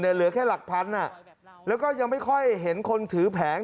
เหลือแค่หลักพันอ่ะแล้วก็ยังไม่ค่อยเห็นคนถือแผง